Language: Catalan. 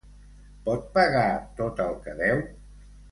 Pot pagar tot el que deu?